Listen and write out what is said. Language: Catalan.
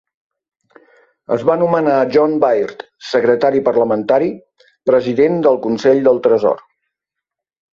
Es va nomenar John Baird secretari parlamentari, president del Consell del Tresor.